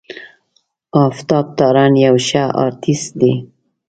آفتاب تارڼ یو ښه آرټسټ دی.